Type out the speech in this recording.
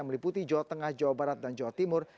meliputi jawa tengah jawa barat dan jawa timur